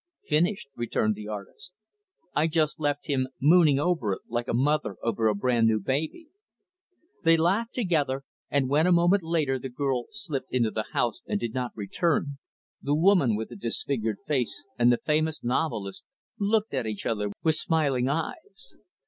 "Finished," returned the novelist. "I just left him mooning over it like a mother over a brand new baby." They laughed together, and when, a moment later, the girl slipped into the house and did not return, the woman with the disfigured face and the famous novelist looked at each other with smiling eyes.